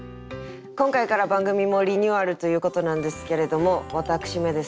今回から番組もリニューアルということなんですけれども私めですね